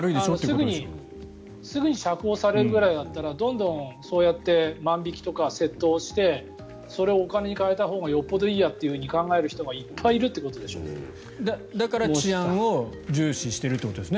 すぐに釈放されるぐらいだったらどんどんそうやって万引きとか窃盗をして、それをお金に替えたほうがよっぽどいいやって考える人がいっぱいいるってことでしょ。